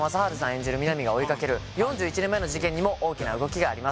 演じる皆実が追いかける４１年前の事件にも大きな動きがあります